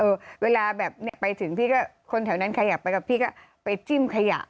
เออเวลาแบบไปถึงพี่ก็คนแถวนั้นขยะไปกับพี่ก็ไปจิ้มขยะ